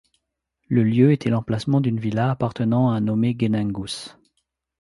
Le lieu était l’emplacement d’une villa appartenant à un nommé Genengus.